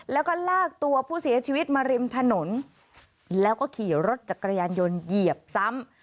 แล้วก็ลากตัวผู้เสียชีวิตมาริมถนนแล้วก็ขี่รถจักรยานยนต์เหยียบซ้ำ